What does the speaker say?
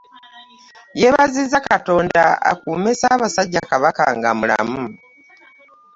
Yeebazizza Katonda akuumye ssaabasajja Kabaka nga mulamu